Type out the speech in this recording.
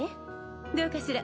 どうかしら？